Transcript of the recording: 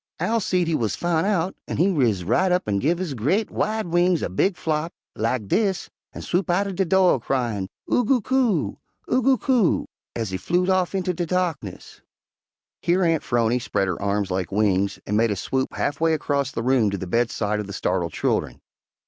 "Owl seed he wuz foun' out, an' he riz up an' give his gre't, wide wings a big flop, lak dis, an' swoop out de do' cryin' 'Oo goo coo! Oo goo coo!' ez he flewed off inter de darkness." Here Aunt 'Phrony spread her arms like wings and made a swoop half way across the room to the bedside of the startled children.